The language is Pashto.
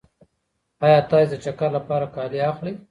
ایا تاسې د چکر لپاره کالي اخلئ؟